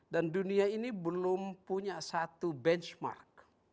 dan dunia ini belum punya satu benchmark